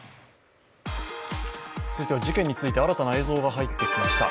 続いて、事件について新たな映像が入ってきました。